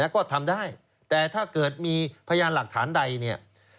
แล้วก็ทำได้แต่ถ้าเกิดมีพยานหลักฐานใด